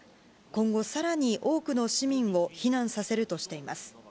今後、さらに多くの市民を避難させるとしています。